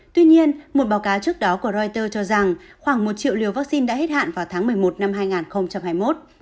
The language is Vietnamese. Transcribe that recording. tuy nhiên một báo cáo trước đó của reuters cho rằng khoảng một triệu liều vaccine đã hết hạn vào tháng một mươi một năm hai nghìn hai mươi một